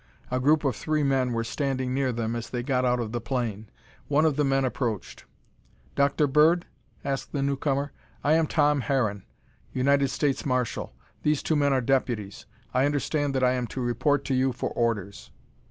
A group of three men were standing near them as they got out of the plane. One of the men approached. "Dr. Bird?" asked the newcomer. "I am Tom Harron, United States Marshal. These two men are deputies. I understand that I am to report to you for orders."